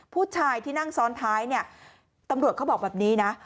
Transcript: ผู้ชายที่นั่งซ้อนท้ายเนี่ยตำรวจเขาบอกแบบนี้นะ